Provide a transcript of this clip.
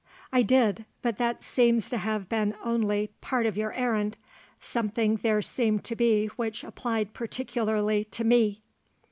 "I did; but that seems to have been only part of your errand—something there seemed to be which applied particularly to me."